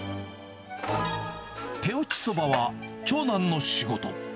手打ちそばは、長男の仕事。